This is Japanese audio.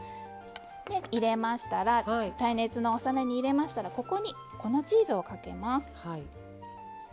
耐熱のお皿に入れましたらここに粉チーズをかけます。